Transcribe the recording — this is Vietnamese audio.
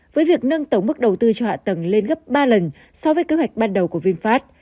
với việc nâng tổng mức đầu tư cho hạ tầng lên gấp ba lần so với kế hoạch ban đầu của vinfast